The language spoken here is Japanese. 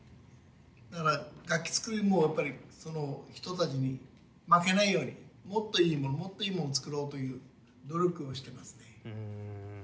だから楽器作りもやっぱりその人たちに負けないようにもっといいものもっといいものを作ろうという努力をしていますね。